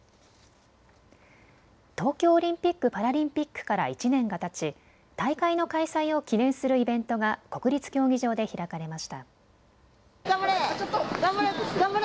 東京オリンピック・パラリンピックから１年がたち大会の開催を記念するイベントが国立競技場で開かれました。